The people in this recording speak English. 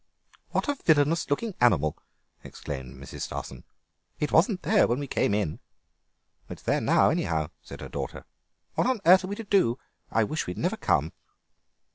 "What a villainous looking animal," exclaimed Mrs. Stossen; "it wasn't there when we came in." "It's there now, anyhow," said her daughter. "What on earth are we to do? I wish we had never come."